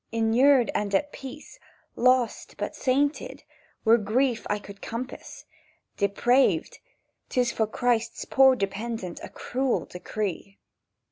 "Inurned and at peace, lost but sainted, Were grief I could compass; Depraved—'tis for Christ's poor dependent A cruel decree!"